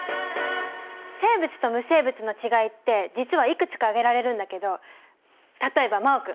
生物と無生物のちがいって実はいくつか挙げられるんだけど例えば真旺君。